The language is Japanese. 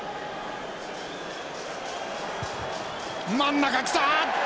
真ん中きた！